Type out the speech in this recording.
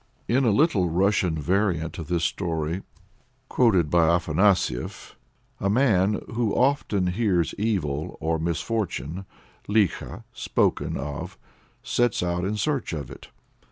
In a Little Russian variant of this story, quoted by Afanasief, (III. p. 137) a man, who often hears evil or misfortune (likho) spoken of, sets out in search of it.